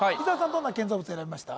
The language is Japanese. どんな建造物選びました？